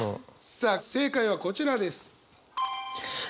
さあ正解はこちらです。